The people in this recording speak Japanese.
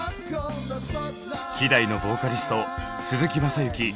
希代のボーカリスト鈴木雅之６６歳。